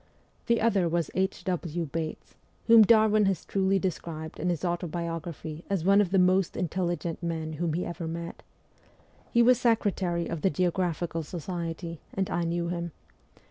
The other was H. W. Bates, whom Darwin has truly described in his autobiography as one of the most intelligent men whom he ever met. He was secretary of the Geographical Society, and I knew him.